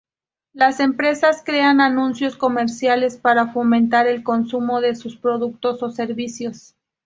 Las empresas crean anuncios comerciales para fomentar el consumo de sus productos o servicios.